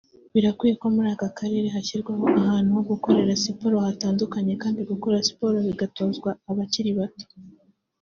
Birakwiye ko muri aka karere hashyirwaho ahantu ho gukorera siporo hatandukanye kandi gukora siporo bigatozwa abakiri bato